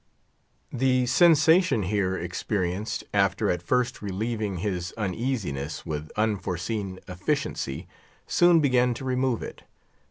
The sensation here experienced, after at first relieving his uneasiness, with unforeseen efficacy soon began to remove it.